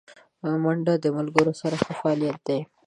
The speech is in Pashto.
منډه د ملګرو سره ښه فعالیت دی